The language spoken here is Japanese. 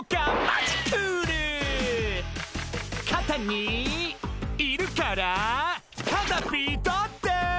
「かたにいるからカタピーだって」